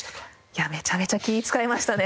いやめちゃめちゃ気使いましたね。